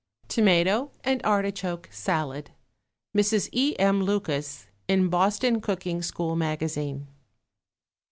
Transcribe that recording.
=Tomato and Artichoke Salad.= (MRS. E. M. LUCAS, IN BOSTON COOKING SCHOOL MAGAZINE.)